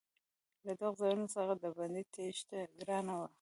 له دغو ځایونو څخه د بندي تېښته ګرانه وه.